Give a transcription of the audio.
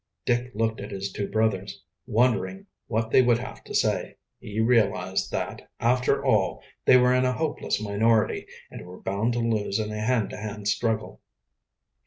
Dick looked at his two brothers, wondering what they would have to say. He realized that, after all, they were in a hopeless minority and were bound to lose in a hand to hand struggle.